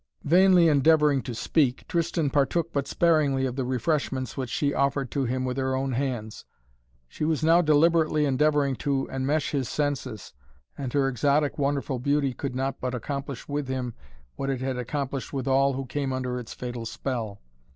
Vainly endeavoring to speak, Tristan partook but sparingly of the refreshments which she offered to him with her own hands. She was now deliberately endeavoring to enmesh his senses, and her exotic, wonderful beauty could not but accomplish with him what it had accomplished with all who came under its fatal spell.